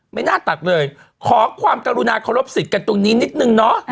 ไม่น่าตัดเลยขอความกรุณาเคารพสิทธิ์กันตรงนี้นิดนึงเนาะ